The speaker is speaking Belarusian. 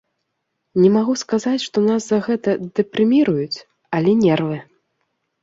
Не магу сказаць, што нас за гэта дэпрэміруюць, але нервы.